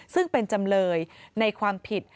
ซึ่งเป็นจำเลยในความผิด